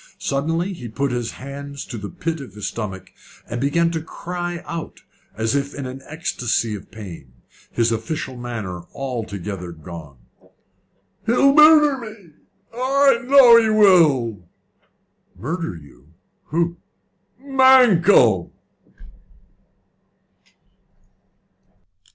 Suddenly he put his hands to the pit of his stomach, and began to cry out as if in an ecstacy of pain, his official manner altogether gone. "He'll murder me! I know he will!" "Murder you? Who?" "Mankell."